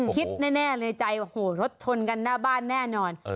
คิดแน่ในใจว่ารถชนกันหน้าบ้านแน่นอน